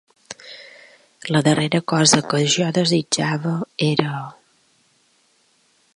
La darrera cosa que jo desitjava era...